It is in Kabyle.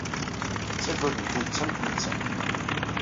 Ttaggaden tidett am tmettant.